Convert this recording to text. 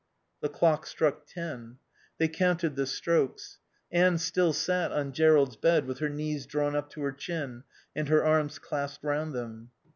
The clock struck ten. They counted the strokes. Anne still sat on Jerrold's bed with her knees drawn up to her chin and her arms clasped round them.